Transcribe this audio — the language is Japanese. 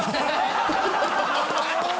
ハハハッ！